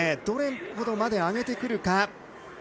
どれほどまで上げてくるか。